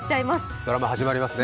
ドラマ始まりますね。